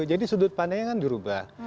jadi sudut pandangnya kan dirubah